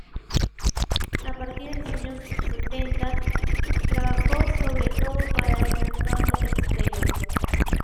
A partir de los años setenta, trabajó sobre todo para el mercado exterior.